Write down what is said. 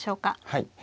はい。